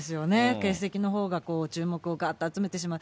欠席のほうが注目をがーっと集めてしまう。